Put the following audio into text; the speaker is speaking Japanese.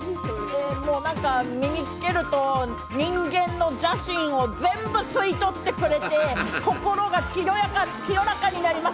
身につけると、人間の邪心を全部吸い取ってくれて、心が清らかになります。